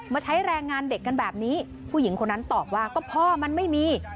ใช้แรงงานเด็กกันแบบนี้ผู้หญิงคนนั้นตอบว่าก็พ่อมันไม่มี